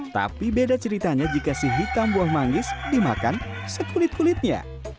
tapi beda ceritanya jika si hitam buah manggis dimakan sekulit kulitnya